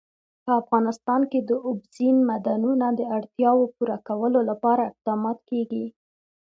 په افغانستان کې د اوبزین معدنونه د اړتیاوو پوره کولو لپاره اقدامات کېږي.